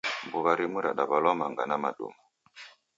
Mbuw'a rimu radaw'alwa manga na maduma.